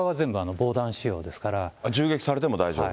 銃撃されても大丈夫？